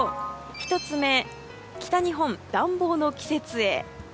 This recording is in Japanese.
１つ目、北日本暖房の季節へ。